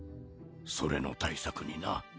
それの対策にな。